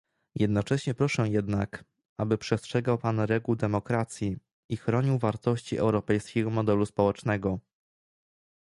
Jednocześnie proszę jednak, aby przestrzegał Pan reguł demokracji i chronił wartości europejskiego modelu społecznego